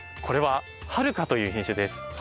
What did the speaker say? これははるかという品種です。